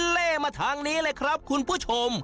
เล่มาทางนี้เลยครับคุณผู้ชม